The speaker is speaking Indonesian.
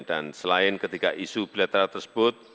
dan selain ketiga isu bilateral tersebut